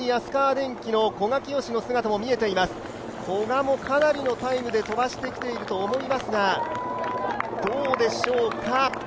古賀もかなりのタイムで飛ばしてきていると思いますが、どうでしょうか？